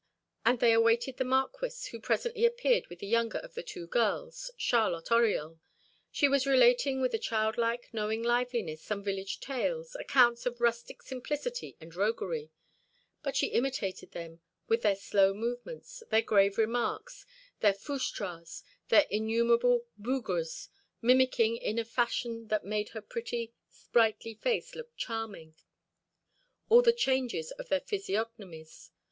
And they awaited the Marquis, who presently appeared with the younger of the two girls, Charlotte Oriol. She was relating with a childlike, knowing liveliness some village tales, accounts of rustic simplicity and roguery. And she imitated them with their slow movements, their grave remarks, their "fouchtras," their innumerable "bougrres," mimicking, in a fashion that made her pretty, sprightly face look charming, all the changes of their physiognomies.